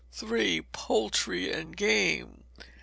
Poultry and Game.